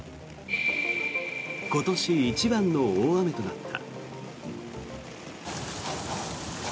今年一番の大雨となった。